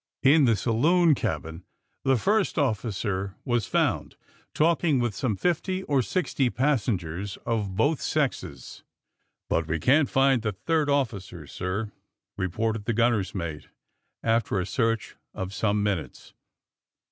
In the saloon cabin the first officer was found talking with some fifty or sixty passen gers of both sexes. ^*But we can't find the third officer, sir," re ported the gunner 's mate, after a search of some minutes.